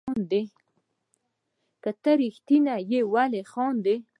که ته ريښتيني يي ولي خاندي